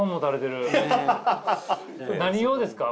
何用ですか？